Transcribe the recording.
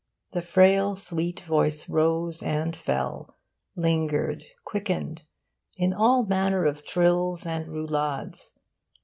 The frail, sweet voice rose and fell, lingered, quickened, in all manner of trills and roulades.